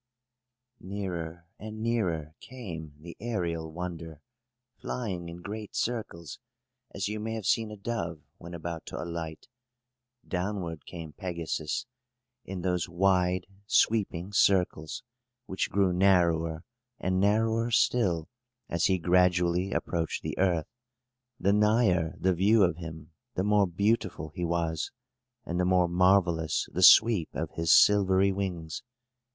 Nearer and nearer came the aërial wonder, flying in great circles, as you may have seen a dove when about to alight. Downward came Pegasus, in those wide, sweeping circles, which grew narrower, and narrower still, as he gradually approached the earth. The nigher the view of him, the more beautiful he was, and the more marvellous the sweep of his silvery wings.